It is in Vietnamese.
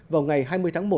vào ngày hai mươi tháng